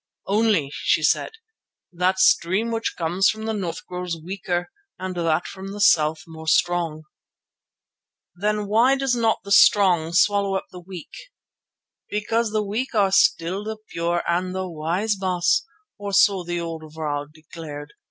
Only, she said, that stream which comes from the north grows weaker and that from the south more strong." "Then why does not the strong swallow up the weak?" "Because the weak are still the pure and the wise, Baas, or so the old vrouw declared.